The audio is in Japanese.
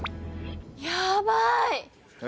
やばい！え？